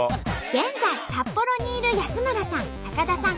現在札幌にいる安村さん高田さん